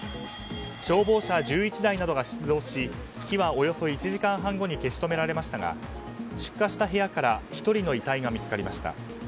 消防車１１台などが出動し火はおよそ１時間半後に消し止められましたが出火した部屋から１人の遺体が見つかりました。